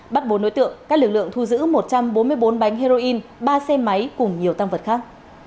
bắt bốn đối tượng các lực lượng thu giữ một trăm bốn mươi bốn bánh heroin ba xe máy cùng nhiều tăng vật khác